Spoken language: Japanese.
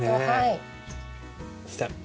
はい。